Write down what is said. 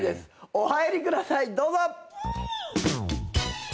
お入りくださいどうぞ！